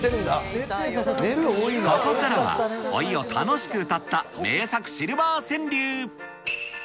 ここからは、老いを楽しくうたった名作シルバー川柳。